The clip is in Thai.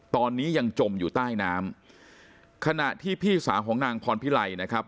ตอนนี้ยังจมอยู่ใต้น้ำขณะที่พี่สาวของนางพรพิไลนะครับ